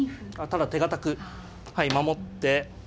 ただ手堅く守って。